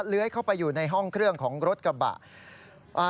เลื้อยเข้าไปอยู่ในห้องเครื่องของรถกระบะ